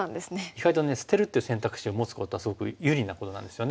意外とね捨てるっていう選択肢を持つことはすごく有利なことなんですよね。